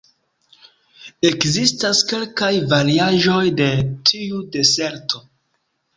Ekzistas kelkaj variaĵoj de tiu deserto.